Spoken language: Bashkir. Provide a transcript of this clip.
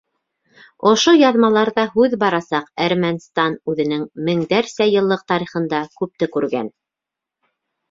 Ошо яҙмаларҙа һүҙ барасаҡ Әрмәнстан үҙенең меңдәрсә йыллыҡ тарихында күпте күргән.